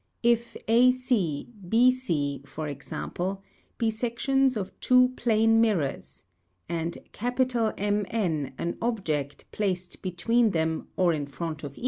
If AC, BC, for example, be sections of two plane mirrors, arid MN an object placed between them or in front of Fig.